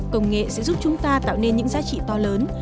công nghệ sẽ giúp chúng ta tạo nên những giá trị to lớn